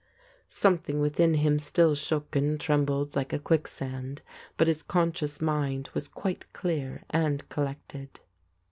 Something within him still shook and trembled like a quicksand, but his conscious mind was quite clear and collected.